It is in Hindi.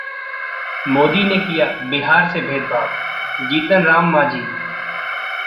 मोदी ने किया बिहार से भेदभाव: जीतन राम मांझी